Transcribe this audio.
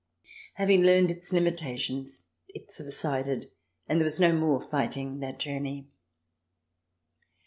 Having learned its limitations it subsided, and there was no more fighting that journey.